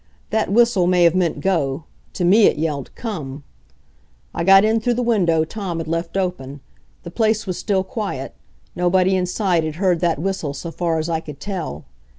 That whistle may have meant "Go!" To me it yelled "Come!" I got in through the window Tom had left open. The place was still quiet. Nobody inside had heard that whistle so far as I could tell.